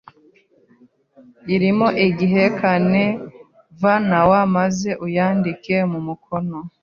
arimo igihekane vw, maze uyandike mu mukono.